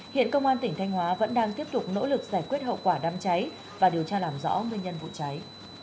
hiện công an tỉnh thanh hóa vẫn đang tiếp tục nỗ lực giải quyết hậu quả đám cháy và điều tra làm rõ nguyên nhân vụ cháy